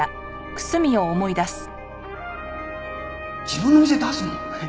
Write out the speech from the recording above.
自分の店出すの？